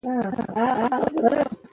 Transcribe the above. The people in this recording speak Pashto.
زه د خلکو خبرو ته په غور غوږ نیسم.